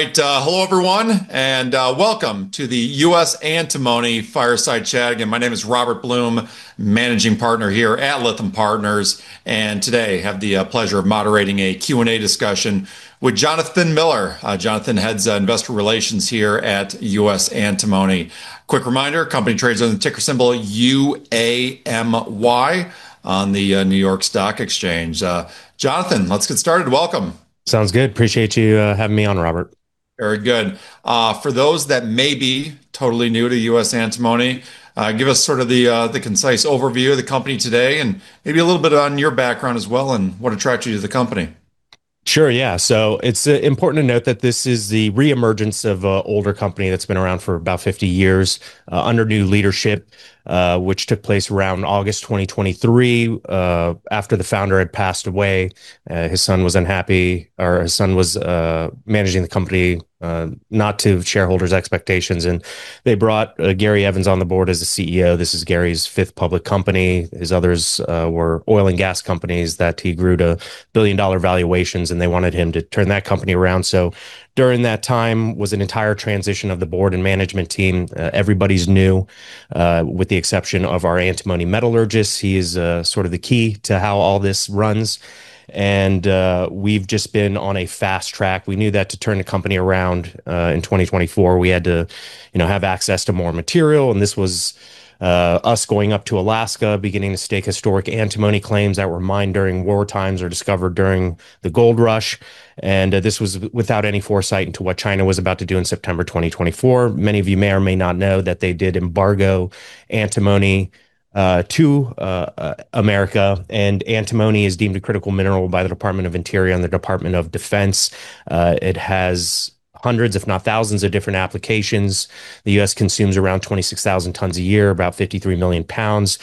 All right. Hello everyone, and welcome to the U.S. Antimony Fireside Chat. Again, my name is Robert Blum, Managing Partner here at Lytham Partners, and today I have the pleasure of moderating a Q&A discussion with Jonathan Miller. Jonathan Head of Investor Relations here at U.S. Antimony. Quick reminder, company trades under the ticker symbol UAMY on the New York Stock Exchange. Jonathan, let's get started. Welcome. Sounds good. Appreciate you having me on, Robert. Very good. For those that may be totally new to U.S. Antimony, give us sort of the concise overview of the company today and maybe a little bit on your background as well and what attracted you to the company. Sure. Yeah. It's important to note that this is the re-emergence of an older company that's been around for about 50 years, under new leadership, which took place around August 2023, after the founder had passed away. His son was managing the company, not to shareholders' expectations, and they brought Gary C. Evans on the board as the CEO. This is Gary C. Evans's fifth public company. His others were oil and gas companies that he grew to billion-dollar valuations, and they wanted him to turn that company around. During that time was an entire transition of the board and management team. Everybody's new, with the exception of our antimony metallurgist. He is sort of the key to how all this runs. We've just been on a fast track. We knew that to turn the company around in 2024, we had to, you know, have access to more material, and this was us going up to Alaska, beginning to stake historic antimony claims that were mined during war times or discovered during the gold rush. This was without any foresight into what China was about to do in September 2024. Many of you may or may not know that they did embargo antimony to America, and antimony is deemed a critical mineral by the Department of the Interior and the U.S. Department of Defense. It has hundreds, if not thousands, of different applications. The U.S. consumes around 26,000 tons a year, about 53 million pounds,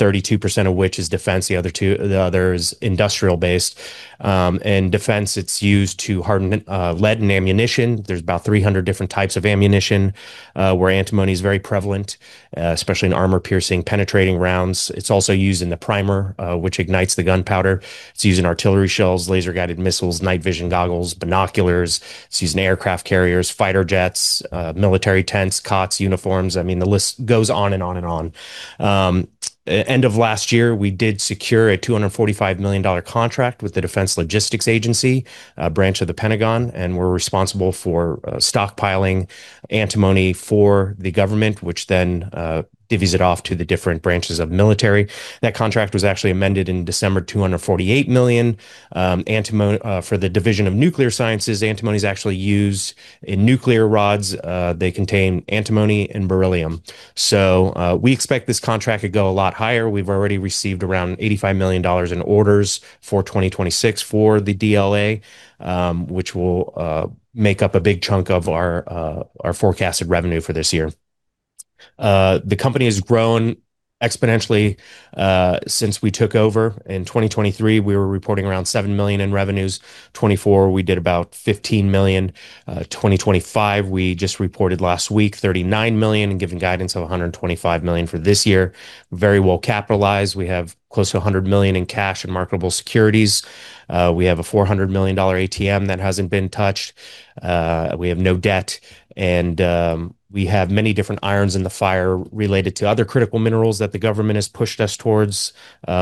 32% of which is defense. The other is industrial-based. In defense, it's used to harden lead and ammunition. There's about 300 different types of ammunition where antimony is very prevalent, especially in armor-piercing, penetrating rounds. It's also used in the primer which ignites the gunpowder. It's used in artillery shells, laser-guided missiles, night vision goggles, binoculars. It's used in aircraft carriers, fighter jets, military tents, cots, uniforms. I mean, the list goes on and on and on. End of last year, we did secure a $245 million contract with the Defense Logistics Agency, a branch of the Pentagon, and we're responsible for stockpiling antimony for the government, which then divvies it off to the different branches of military. That contract was actually amended in December, $248 million. For the division of nuclear sciences, antimony is actually used in nuclear rods. They contain antimony and beryllium. We expect this contract to go a lot higher. We've already received around $85 million in orders for 2026 for the DLA, which will make up a big chunk of our forecasted revenue for this year. The company has grown exponentially since we took over. In 2023, we were reporting around $7 million in revenues. 2024, we did about $15 million. 2025, we just reported last week $39 million and given guidance of $125 million for this year. Very well capitalized. We have close to $100 million in cash and marketable securities. We have a $400 million ATM that hasn't been touched. We have no debt. We have many different irons in the fire related to other critical minerals that the government has pushed us towards,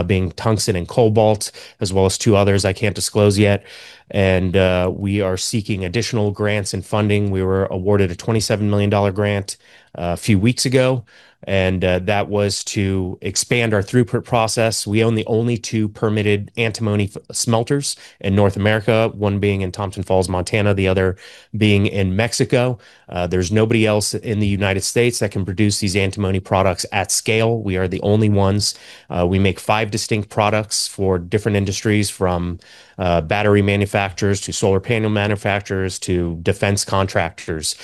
being tungsten and cobalt, as well as two others I can't disclose yet. We are seeking additional grants and funding. We were awarded a $27 million grant a few weeks ago, and that was to expand our throughput process. We own the only two permitted antimony smelters in North America, one being in Thompson Falls, Montana, the other being in Mexico. There's nobody else in the United States that can produce these antimony products at scale. We are the only ones. We make 5 distinct products for different industries, from battery manufacturers to solar panel manufacturers to defense contractors.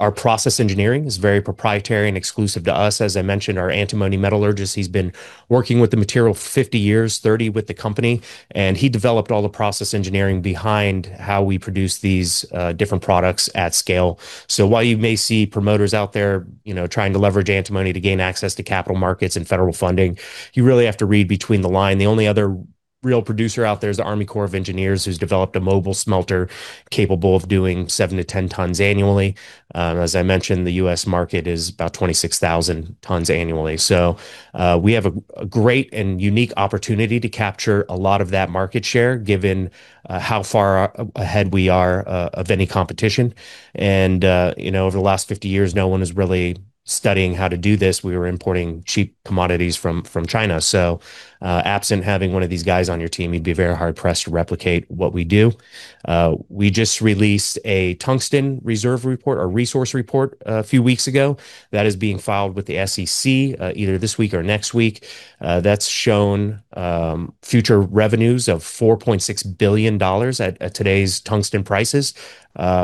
Our process engineering is very proprietary and exclusive to us. As I mentioned, our antimony metallurgist, he's been working with the material 50 years, 30 with the company, and he developed all the process engineering behind how we produce these different products at scale. While you may see promoters out there, you know, trying to leverage antimony to gain access to capital markets and federal funding, you really have to read between the lines. The only other real producer out there is the U.S. Army Corps of Engineers, who's developed a mobile smelter capable of doing 7-10 tons annually. As I mentioned, the U.S. market is about 26,000 tons annually. We have a great and unique opportunity to capture a lot of that market share, given how far ahead we are of any competition. You know, over the last 50 years, no one is really studying how to do this. We were importing cheap commodities from China. Absent having one of these guys on your team, you'd be very hard-pressed to replicate what we do. We just released a tungsten reserve report, a resource report a few weeks ago. That is being filed with the SEC either this week or next week. That's shown future revenues of $4.6 billion at today's tungsten prices,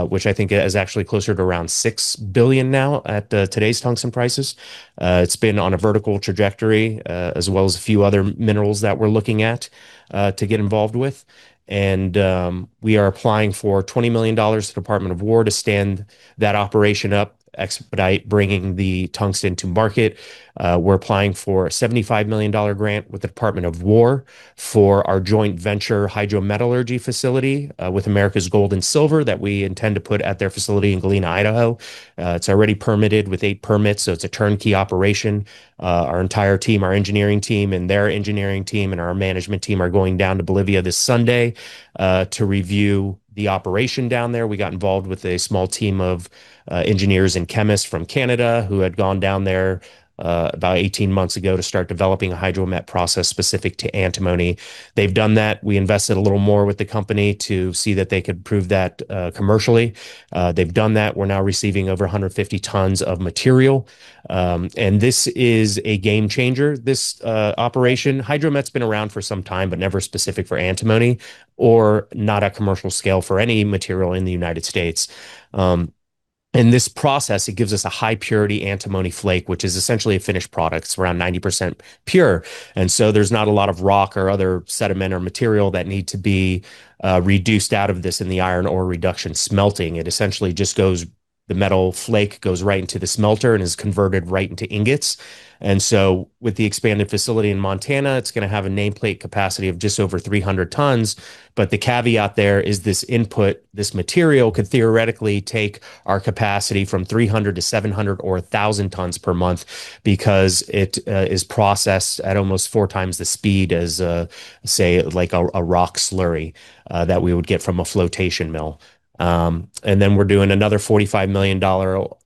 which I think is actually closer to around $6 billion now at today's tungsten prices. It's been on a vertical trajectory as well as a few other minerals that we're looking at to get involved with. We are applying for $20 million to the Department of War to stand that operation up, expedite bringing the tungsten to market. We're applying for a $75 million grant with the Department of War for our joint venture hydrometallurgy facility with Americas Gold and Silver that we intend to put at their facility in Galena, Idaho. It's already permitted with eight permits, so it's a turnkey operation. Our entire team, our engineering team, and their engineering team, and our management team are going down to Bolivia this Sunday to review the operation down there. We got involved with a small team of engineers and chemists from Canada who had gone down there about 18 months ago to start developing a hydromet process specific to antimony. They've done that. We invested a little more with the company to see that they could prove that commercially. They've done that. We're now receiving over 150 tons of material. This is a game changer, this operation. Hydromet's been around for some time, but never specific for antimony or not at commercial scale for any material in the United States. This process, it gives us a high purity antimony flake, which is essentially a finished product. It's around 90% pure, and so there's not a lot of rock or other sediment or material that need to be reduced out of this in the iron ore reduction smelting. It essentially just goes. The metal flake goes right into the smelter and is converted right into ingots. With the expanded facility in Montana, it's going to have a nameplate capacity of just over 300 tons. The caveat there is this input, this material could theoretically take our capacity from 300 to 700 or 1,000 tons per month because it is processed at almost four times the speed as, say like a rock slurry that we would get from a flotation mill. We're doing another $45 million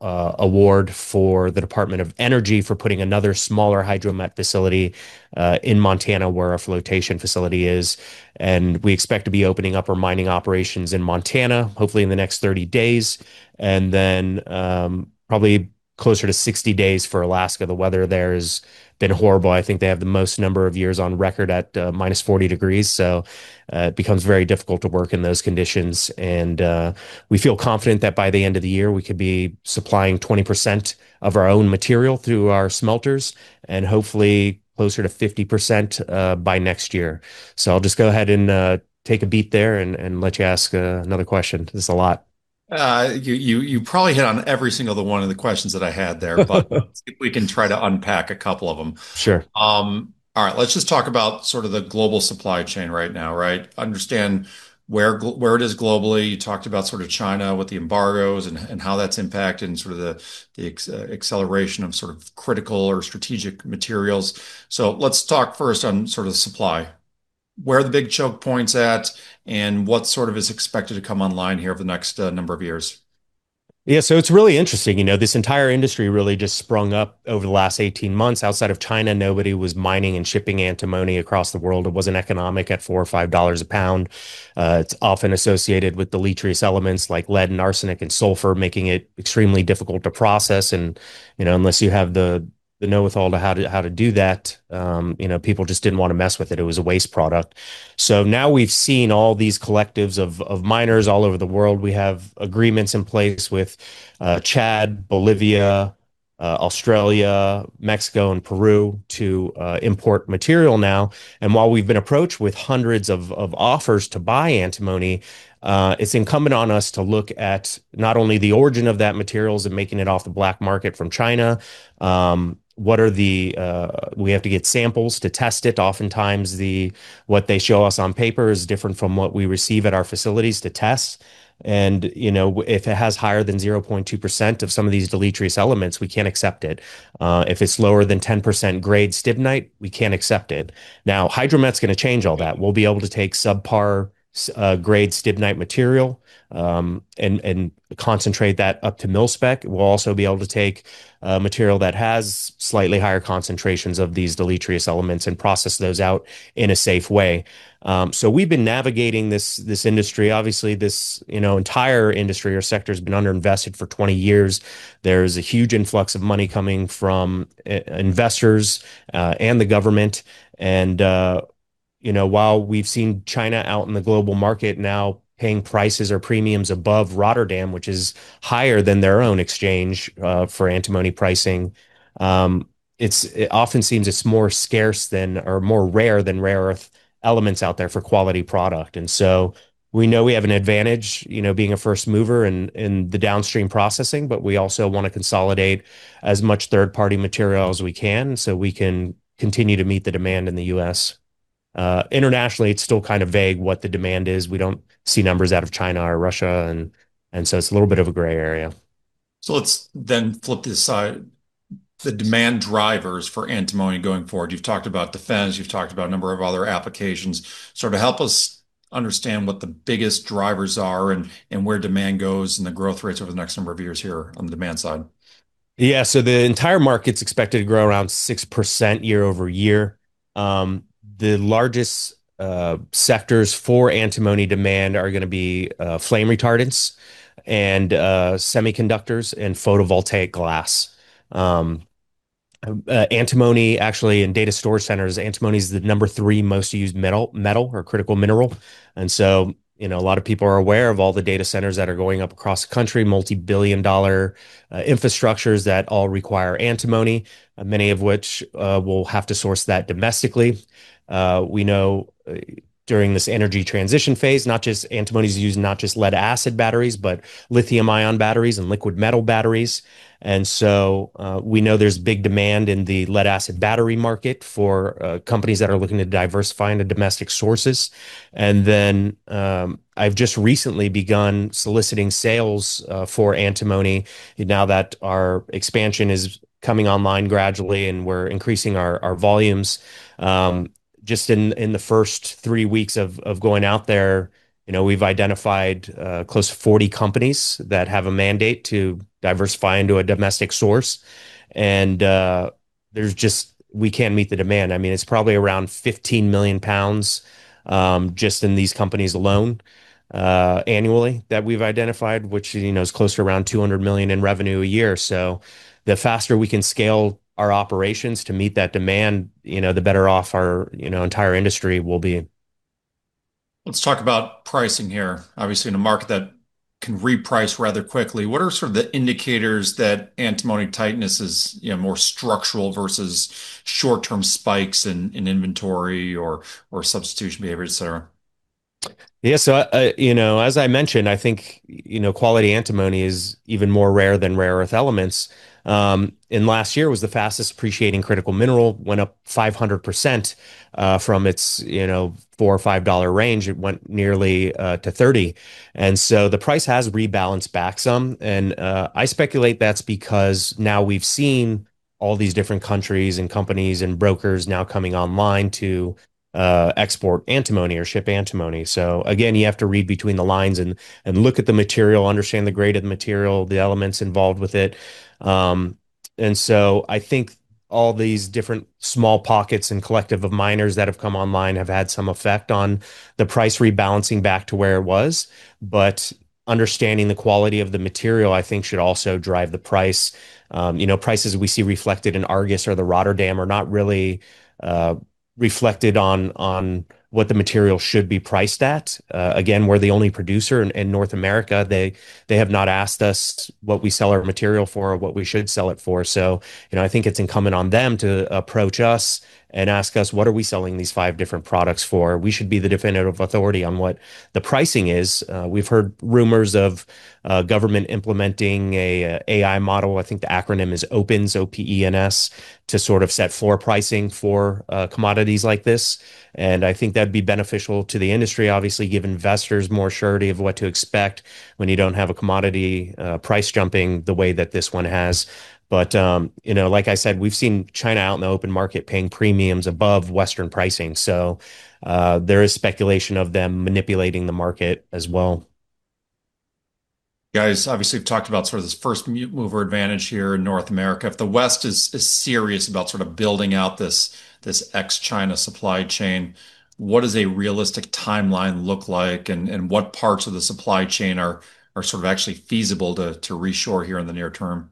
award for the Department of Energy for putting another smaller hydromet facility in Montana where our flotation facility is. We expect to be opening up our mining operations in Montana, hopefully in the next 30 days, and then probably closer to 60 days for Alaska. The weather there has been horrible. I think they have the most number of years on record at -40 degrees. It becomes very difficult to work in those conditions. We feel confident that by the end of the year, we could be supplying 20% of our own material through our smelters and hopefully closer to 50% by next year. I'll just go ahead and take a beat there and let you ask another question. This is a lot. You probably hit on every single one of the questions that I had there. Let's see if we can try to unpack a couple of them. Sure. All right, let's just talk about sort of the global supply chain right now, right? Understand where it is globally. You talked about sort of China with the embargoes and how that's impacted and sort of the acceleration of sort of critical or strategic materials. Let's talk first on sort of the supply. Where are the big choke points at, and what is sort of expected to come online here over the next number of years? Yeah. It's really interesting. You know, this entire industry really just sprung up over the last 18 months. Outside of China, nobody was mining and shipping antimony across the world. It wasn't economic at $4 or $5 a pound. It's often associated with deleterious elements like lead and arsenic and sulfur, making it extremely difficult to process. You know, unless you have the know-how to do that, you know, people just didn't want to mess with it. It was a waste product. Now we've seen all these collectives of miners all over the world. We have agreements in place with Chad, Bolivia, Australia, Mexico, and Peru to import material now. While we've been approached with hundreds of offers to buy antimony, it's incumbent on us to look at not only the origin of that materials and making it off the black market from China. We have to get samples to test it. Oftentimes what they show us on paper is different from what we receive at our facilities to test. If it has higher than 0.2% of some of these deleterious elements, we can't accept it. If it's lower than 10% grade stibnite, we can't accept it. Hydromet's going to change all that. We'll be able to take subpar grade stibnite material, and concentrate that up to MIL-SPEC. We'll also be able to take, material that has slightly higher concentrations of these deleterious elements and process those out in a safe way. We've been navigating this industry. Obviously, this, you know, entire industry or sector's been underinvested for 20 years. There's a huge influx of money coming from investors, and the government. You know, while we've seen China out in the global market now paying prices or premiums above Rotterdam, which is higher than their own exchange, for antimony pricing, it often seems it's more scarce than or more rare than rare earth elements out there for quality product. We know we have an advantage, you know, being a first mover in the downstream processing, but we also want to consolidate as much third-party material as we can, so we can continue to meet the demand in the U.S. Internationally, it's still kind of vague what the demand is. We don't see numbers out of China or Russia and so it's a little bit of a gray area. Let's then flip this side, the demand drivers for Antimony going forward. You've talked about defense, you've talked about a number of other applications. Sort of help us understand what the biggest drivers are and where demand goes and the growth rates over the next number of years here on the demand side. Yeah. The entire market's expected to grow around 6% year-over-year. The largest sectors for antimony demand are gonna be flame retardants and semiconductors and photovoltaic glass. Antimony actually in data storage centers, antimony is the number three most used metal or critical mineral. You know, a lot of people are aware of all the data centers that are going up across the country, multi-billion-dollar infrastructures that all require antimony, many of which will have to source that domestically. We know during this energy transition phase, not just antimony is used, not just lead-acid batteries, but lithium-ion batteries and liquid metal batteries. We know there's big demand in the lead-acid battery market for companies that are looking to diversify into domestic sources. I've just recently begun soliciting sales for Antimony now that our expansion is coming online gradually and we're increasing our volumes. Just in the first three weeks of going out there, you know, we've identified close to 40 companies that have a mandate to diversify into a domestic source. There's just, we can't meet the demand. I mean, it's probably around 15 million pounds just in these companies alone annually that we've identified, which, you know, is close to around $200 million in revenue a year. The faster we can scale our operations to meet that demand, you know, the better off our entire industry will be. Let's talk about pricing here. Obviously, in a market that can reprice rather quickly, what are sort of the indicators that antimony tightness is, you know, more structural versus short-term spikes in inventory or substitution behaviors, et cetera? Yeah. You know, as I mentioned, I think, you know, quality antimony is even more rare than rare earth elements. Last year was the fastest appreciating critical mineral, went up 500%, from its, you know, $4-$5 range. It went nearly to $30. The price has rebalanced back some. I speculate that's because now we've seen all these different countries and companies and brokers now coming online to export antimony or ship antimony. Again, you have to read between the lines and look at the material, understand the grade of the material, the elements involved with it. I think all these different small pockets and collective of miners that have come online have had some effect on the price rebalancing back to where it was. Understanding the quality of the material, I think should also drive the price. You know, prices we see reflected in Argus or the Rotterdam are not really reflected on what the material should be priced at. Again, we're the only producer in North America. They have not asked us what we sell our material for or what we should sell it for. You know, I think it's incumbent on them to approach us and ask us, what are we selling these five different products for? We should be the definitive authority on what the pricing is. We've heard rumors of government implementing an AI model. I think the acronym is OPENS, O-P-E-N-S, to sort of set floor pricing for commodities like this, and I think that'd be beneficial to the industry. Obviously, give investors more surety of what to expect when you don't have a commodity price jumping the way that this one has. You know, like I said, we've seen China out in the open market paying premiums above Western pricing. There is speculation of them manipulating the market as well. You guys obviously have talked about sort of this first mover advantage here in North America. If the West is serious about sort of building out this ex-China supply chain, what does a realistic timeline look like and what parts of the supply chain are sort of actually feasible to reshore here in the near term?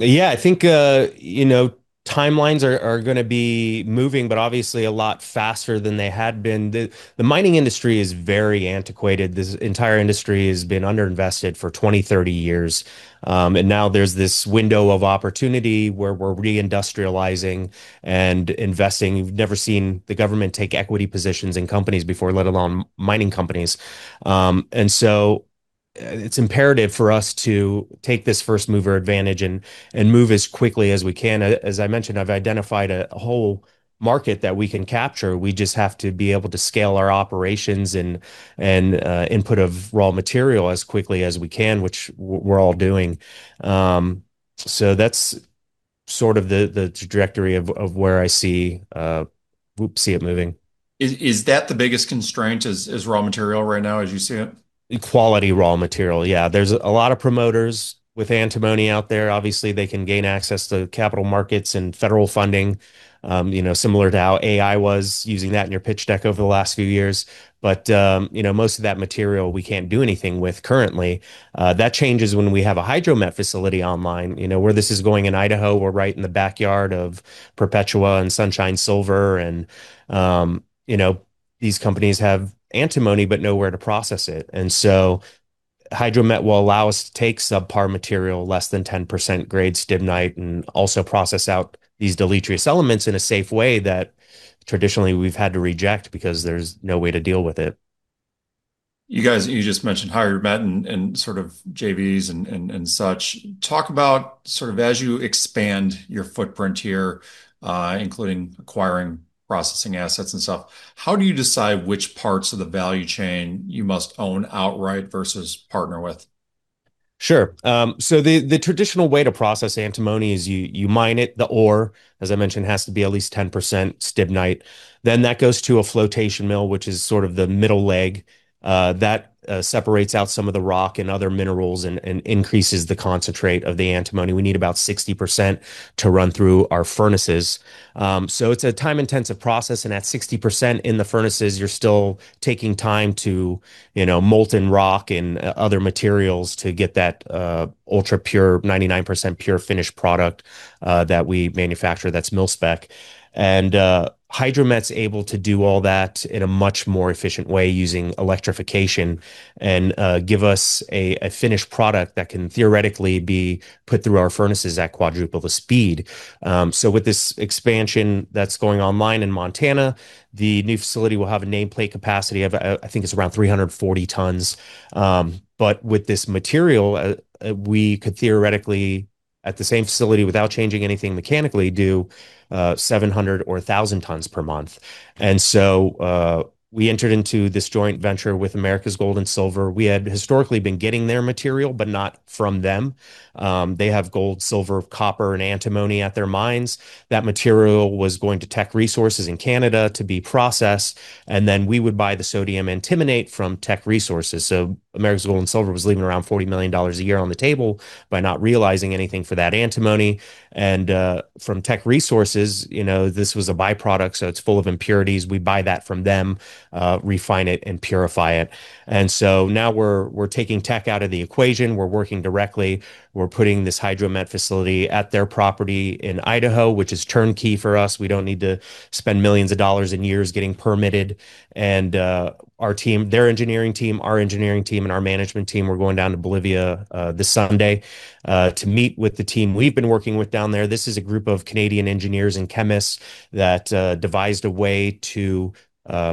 Yeah, I think, you know, timelines are gonna be moving, but obviously a lot faster than they had been. The mining industry is very antiquated. This entire industry has been underinvested for 20, 30 years. Now there's this window of opportunity where we're re-industrializing and investing. We've never seen the government take equity positions in companies before, let alone mining companies. It's imperative for us to take this first mover advantage and move as quickly as we can. As I mentioned, I've identified a whole market that we can capture. We just have to be able to scale our operations and input of raw material as quickly as we can, which we're all doing. That's sort of the trajectory of where we see it moving. Is that the biggest constraint is raw material right now as you see it? Quality raw material. There's a lot of promoters with antimony out there. Obviously, they can gain access to capital markets and federal funding, similar to how AI was using that in your pitch deck over the last few years. Most of that material we can't do anything with currently. That changes when we have a hydromet facility online. Where this is going in Idaho, we're right in the backyard of Perpetua and Sunshine Silver, and these companies have antimony but nowhere to process it. Hydromet will allow us to take subpar material, less than 10% grade Stibnite, and also process out these deleterious elements in a safe way that traditionally we've had to reject because there's no way to deal with it. You guys, you just mentioned Hydromet and sort of JVs and such. Talk about sort of as you expand your footprint here, including acquiring processing assets and stuff, how do you decide which parts of the value chain you must own outright versus partner with? Sure. The traditional way to process antimony is you mine it. The ore, as I mentioned, has to be at least 10% stibnite. That goes to a flotation mill, which is sort of the middle leg that separates out some of the rock and other minerals and increases the concentrate of the antimony. We need about 60% to run through our furnaces. It's a time-intensive process, and at 60% in the furnaces you're still taking time to, you know, molten rock and other materials to get that ultra-pure, 99% pure finished product that we manufacture that's MIL-SPEC. Hydromet's able to do all that in a much more efficient way using electrification and give us a finished product that can theoretically be put through our furnaces at quadruple the speed. With this expansion that's going online in Montana, the new facility will have a nameplate capacity of I think it's around 340 tons. With this material, we could theoretically at the same facility without changing anything mechanically do 700 or 1,000 tons per month. We entered into this joint venture with Americas Gold and Silver. We had historically been getting their material, but not from them. They have gold, silver, copper and antimony at their mines. That material was going to Teck Resources in Canada to be processed, and then we would buy the sodium antimonate from Teck Resources. Americas Gold and Silver was leaving around $40 million a year on the table by not realizing anything for that antimony. From Teck Resources, you know, this was a by-product, so it's full of impurities. We buy that from them, refine it and purify it. Now we're taking Teck out of the equation. We're working directly. We're putting this Hydromet facility at their property in Idaho, which is turnkey for us. We don't need to spend millions of dollars and years getting permitted. Our team, their engineering team, our engineering team, and our management team, we're going down to Bolivia this Sunday to meet with the team we've been working with down there. This is a group of Canadian engineers and chemists that devised a way to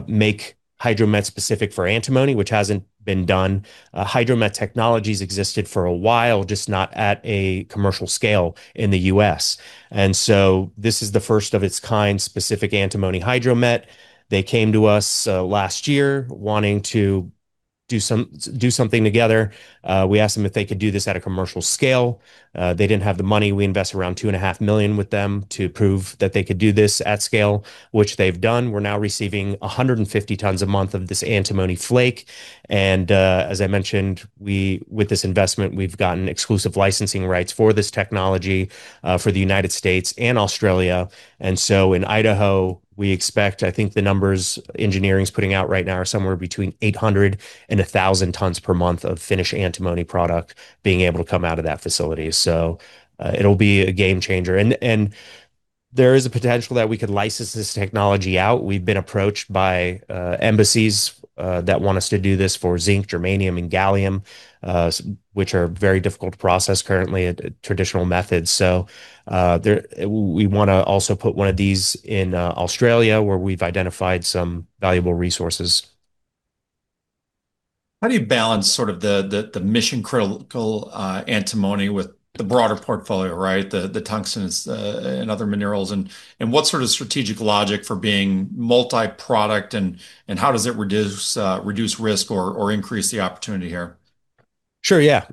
make Hydromet specific for antimony, which hasn't been done. Hydromet technology's existed for a while, just not at a commercial scale in the U.S. This is the first of its kind, specific antimony Hydromet. They came to us last year wanting to do something together. We asked them if they could do this at a commercial scale. They didn't have the money. We invested around $2.5 million with them to prove that they could do this at scale, which they've done. We're now receiving 150 tons a month of this antimony flake. As I mentioned, with this investment, we've gotten exclusive licensing rights for this technology for the United States and Australia. In Idaho, we expect, I think the numbers engineering's putting out right now are somewhere between 800-1,000 tons per month of finished antimony product being able to come out of that facility. It'll be a game changer. There is a potential that we could license this technology out. We've been approached by embassies that want us to do this for zinc, germanium, and gallium, which are very difficult to process currently at traditional methods. We want to also put one of these in Australia where we've identified some valuable resources. How do you balance sort of the mission-critical antimony with the broader portfolio, right? The tungstens and other minerals. What sort of strategic logic for being multi-product, and how does it reduce risk or increase the opportunity here? Sure, yeah.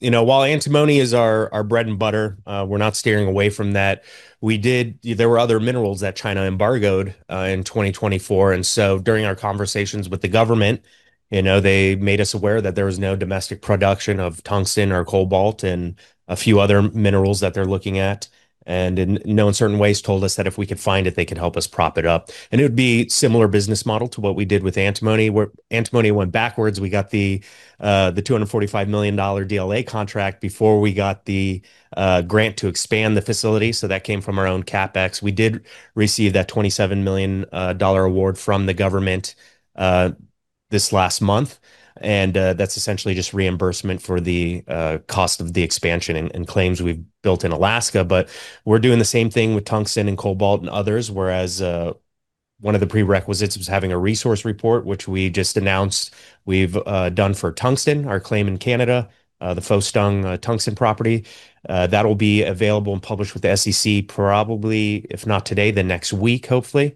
You know, while antimony is our bread and butter, we're not steering away from that. There were other minerals that China embargoed in 2024. During our conversations with the government, you know, they made us aware that there was no domestic production of tungsten or cobalt and a few other minerals that they're looking at. You know, in certain ways told us that if we could find it, they could help us prop it up. It would be similar business model to what we did with antimony, where antimony went backwards. We got the $245 million DLA contract before we got the grant to expand the facility. That came from our own CapEx. We did receive that $27 million dollar award from the government this last month, and that's essentially just reimbursement for the cost of the expansion and claims we've built in Alaska. We're doing the same thing with tungsten and cobalt and others, whereas one of the prerequisites was having a resource report which we just announced we've done for tungsten, our claim in Canada, the Fostung Tungsten property. That'll be available and published with the SEC probably if not today, then next week, hopefully.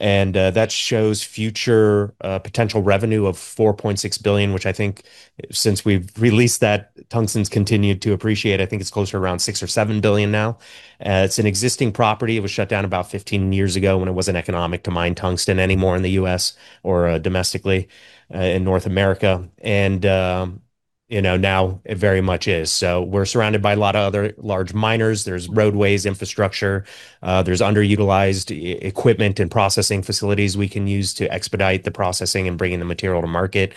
That shows future potential revenue of $4.6 billion, which I think since we've released that, tungsten's continued to appreciate. I think it's closer to around $6 billion or $7 billion now. It's an existing property. It was shut down about 15 years ago when it wasn't economic to mine tungsten anymore in the U.S. or domestically in North America. You know, now it very much is. We're surrounded by a lot of other large miners. There's roadways, infrastructure. There's underutilized equipment and processing facilities we can use to expedite the processing and bringing the material to market.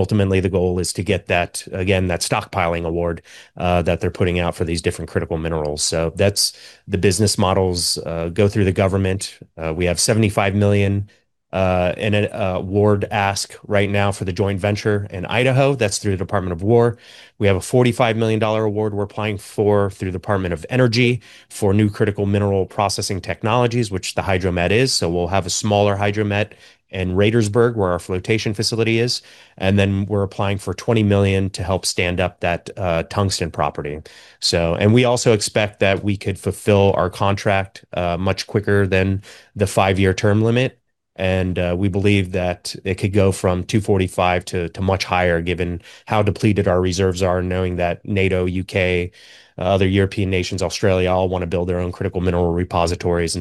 Ultimately the goal is to get that, again, that stockpiling award that they're putting out for these different critical minerals. That's the business models go through the government. We have $75 million in an award ask right now for the joint venture in Idaho. That's through the Department of War. We have a $45 million award we're applying for through the Department of Energy for new critical mineral processing technologies, which the Hydromet is. We'll have a smaller Hydromet in Radersburg where our flotation facility is, and then we're applying for $20 million to help stand up that tungsten property. We also expect that we could fulfill our contract much quicker than the five-year term limit. We believe that it could go from $2.45 to much higher given how depleted our reserves are, knowing that NATO, U.K., other European nations, Australia, all want to build their own critical mineral repositories.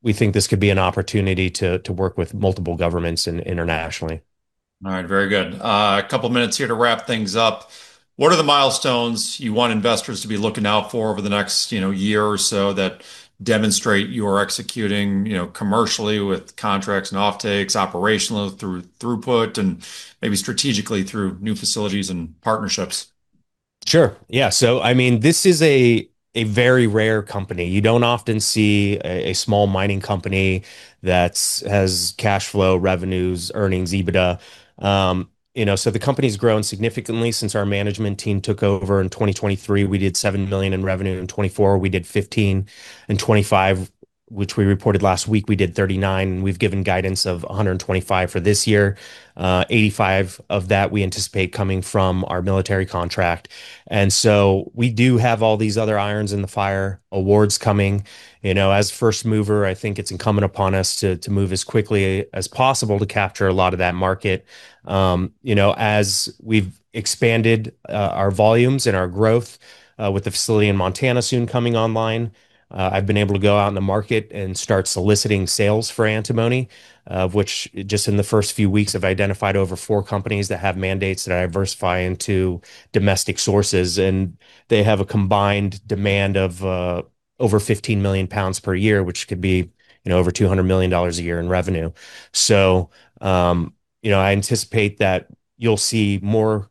We think this could be an opportunity to work with multiple governments internationally. All right. Very good. A couple minutes here to wrap things up. What are the milestones you want investors to be looking out for over the next, you know, year or so that demonstrate you're executing, you know, commercially with contracts and offtakes, operational throughput, and maybe strategically through new facilities and partnerships? I mean, this is a very rare company. You don't often see a small mining company that has cash flow, revenues, earnings, EBITDA. You know, the company's grown significantly since our management team took over in 2023. We did $7 million in revenue. In 2024 we did $15 million. In 2025, which we reported last week, we did $39 million, and we've given guidance of $125 million for this year. $85 million of that we anticipate coming from our military contract. We do have all these other irons in the fire, awards coming. You know, as first mover, I think it's incumbent upon us to move as quickly as possible to capture a lot of that market. You know, as we've expanded our volumes and our growth with the facility in Montana soon coming online, I've been able to go out in the market and start soliciting sales for Antimony, which just in the first few weeks I've identified over four companies that have mandates to diversify into domestic sources. They have a combined demand of over 15 million pounds per year, which could be, you know, over $200 million a year in revenue. You know, I anticipate that you'll see more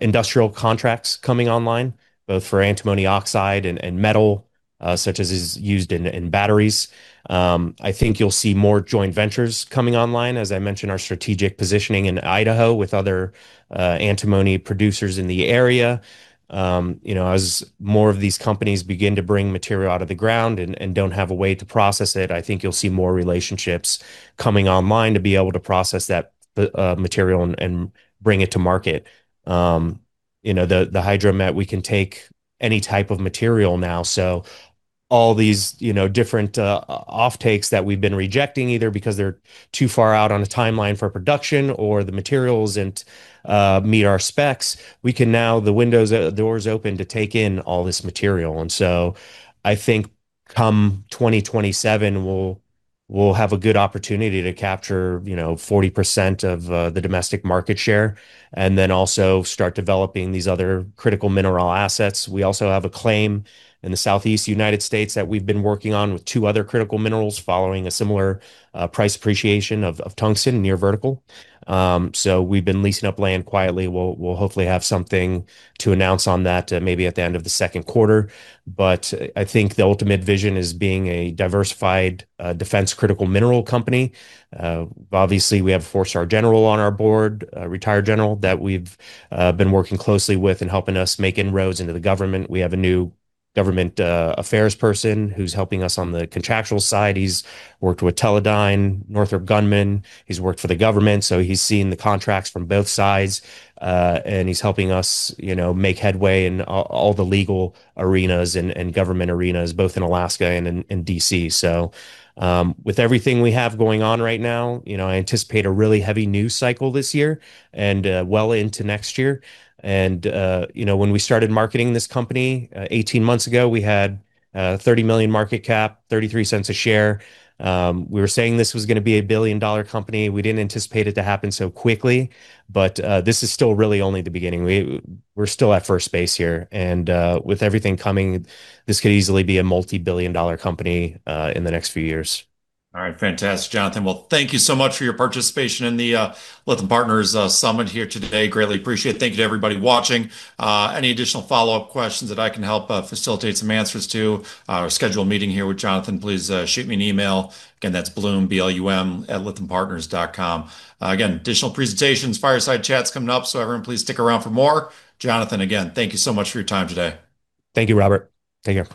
industrial contracts coming online both for Antimony oxide and metal, such as is used in batteries. I think you'll see more joint ventures coming online. As I mentioned, our strategic positioning in Idaho with other Antimony producers in the area. You know, as more of these companies begin to bring material out of the ground and don't have a way to process it, I think you'll see more relationships coming online to be able to process that material and bring it to market. You know, the Hydromet, we can take any type of material now, so all these, you know, different offtakes that we've been rejecting, either because they're too far out on a timeline for production or the materials don't meet our specs, we can now the door's open to take in all this material. I think come 2027, we'll have a good opportunity to capture, you know, 40% of the domestic market share and then also start developing these other critical mineral assets. We also have a claim in the southeast United States that we've been working on with two other critical minerals following a similar price appreciation of tungsten near vertical. We've been leasing up land quietly. We'll hopefully have something to announce on that, maybe at the end of the second quarter. I think the ultimate vision is being a diversified defense critical mineral company. Obviously we have a four-star general on our board, a retired general that we've been working closely with in helping us make inroads into the government. We have a new government affairs person who's helping us on the contractual side. He's worked with Teledyne, Northrop Grumman. He's worked for the government, so he's seen the contracts from both sides. He's helping us, you know, make headway in all the legal arenas and government arenas, both in Alaska and in D.C. With everything we have going on right now, you know, I anticipate a really heavy news cycle this year and well into next year. You know, when we started marketing this company 18 months ago, we had a $30 million market cap, $0.33 a share. We were saying this was gonna be a billion-dollar company. We didn't anticipate it to happen so quickly, but this is still really only the beginning. We're still at first base here. With everything coming, this could easily be a multi-billion dollar company in the next few years. All right. Fantastic. Jonathan, well, thank you so much for your participation in the Lytham Partners Summit here today. Greatly appreciate it. Thank you to everybody watching. Any additional follow-up questions that I can help facilitate some answers to or schedule a meeting here with Jonathan, please shoot me an email. Again, that's Blum, B-L-U-M, @lythampartners.com. Again, additional presentations, fireside chats coming up, so everyone please stick around for more. Jonathan, again, thank you so much for your time today. Thank you, Robert. Take care.